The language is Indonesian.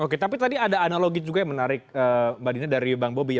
oke tapi tadi ada analogi juga yang menarik mbak dina dari bang bobi ya